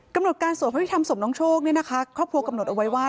กำหนดการสวดพระพิธรรมศพน้องโชคเนี่ยนะคะครอบครัวกำหนดเอาไว้ว่า